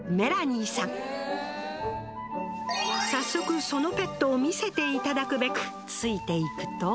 早速そのペットを見せて頂くべくついていくと。